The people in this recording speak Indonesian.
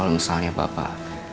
kalau misalnya bapak